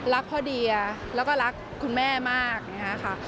รักพ่อเดียแล้วก็รักคุณแม่มากอย่างนี้ค่ะ